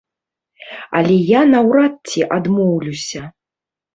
Але я наўрад ці адмоўлюся.